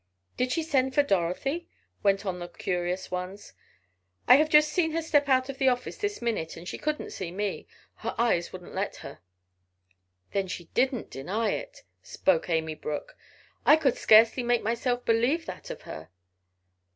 "Did she send for Dorothy?" went on the curious ones. "I have just seen her step out of the office this minute and she couldn't see me. Her eyes wouldn't let her." "Then she didn't deny it!" spoke Amy Brook. "I could scarcely make myself believe that of her."